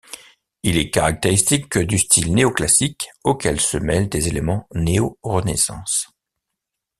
Il est caractéristique du style néo-classique auquel se mêlent des éléments néo-Renaissance.